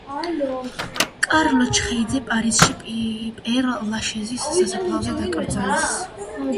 კარლო ჩხეიძე პარიზში, პერ-ლაშეზის სასაფლაოზე დაკრძალეს.